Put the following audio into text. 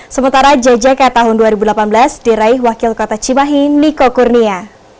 sementara jjk tahun dua ribu delapan belas diraih wakil kota cimahi niko kurnia